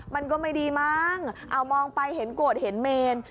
มันก็ไม่ดีมั้งเอามองไปเห็นโกรธเห็นเมน